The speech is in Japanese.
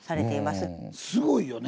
すごいよね！